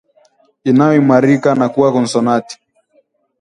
inayoimarika na kuwa konsonanti